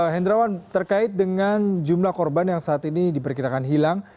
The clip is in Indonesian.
hendrawan terkait dengan jumlah korban yang saat ini diperkirakan hilang